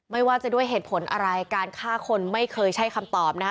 ไม่ว่าจะด้วยเหตุผลอะไรการฆ่าคนไม่เคยใช้คำตอบนะคะ